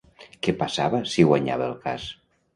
Què passava si guanyava el cas?